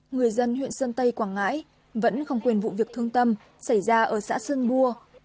người dân huyện sơn tây quảng ngãi vẫn không quên vụ việc thương tâm xảy ra ở xã sơn bua